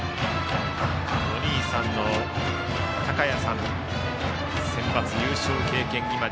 お兄さんの昂弥さんはセンバツ優勝経験があり